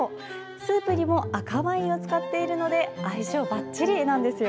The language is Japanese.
スープにも赤ワインを使っているので相性ばっちりなんですよ。